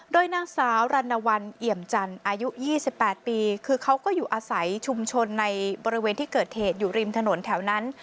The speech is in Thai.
โดยนางสาวรรณวรรณเอี่ยมจันทร์อายุ๒๘ปีคือเขาก็อยู่อาศัยชุมชนในบริเวณที่เกิดเหตุอยู่ริมถนนแถวนั้น